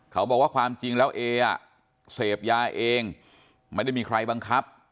เขาบอกว่าความจริงแล้วเออ่ะเสพยาเองไม่ได้มีใครบังคับ